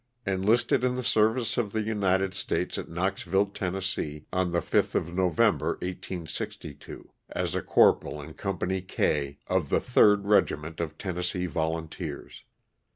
Enlisted in the service of the United States atKnoxville, Tenn., on the 5th of No vember, 1862, as a corporal in Company K, of the 3rd Regiment of Tennessee Volunteers.